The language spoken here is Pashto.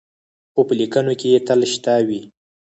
خو په لیکنو کې یې تل شته وي.